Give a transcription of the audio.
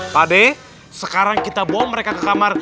pak de sekarang kita bawa mereka ke kamar